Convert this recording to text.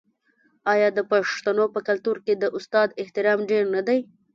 آیا د پښتنو په کلتور کې د استاد احترام ډیر نه دی؟